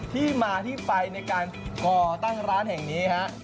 ปลาที่ไปในการก่อตั้งร้านแห่งนี้ครับ